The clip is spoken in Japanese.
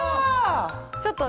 ちょっとね。